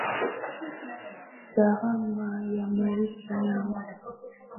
Gharama ya maisha yangu.